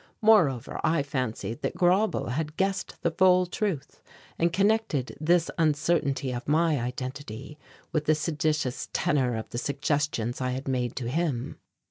Moreover, I fancied that Grauble had guessed the full truth and connected this uncertainty of my identity with the seditious tenor of the suggestions I had made to him.